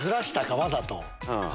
わざと。